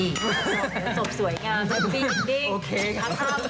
จบสวยงาม